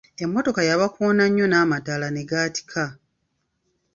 Emmotoka yabakoona nnyo n'amataala ne gaatikka.